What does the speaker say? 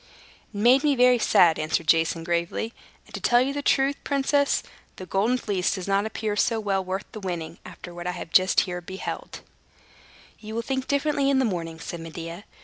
"It made me very sad," answered Jason, gravely. "And, to tell you the truth, princess, the Golden Fleece does not appear so well worth the winning, after what I have here beheld!" "You will think differently in the morning," said Medea.